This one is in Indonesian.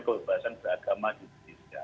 kebebasan beragama di indonesia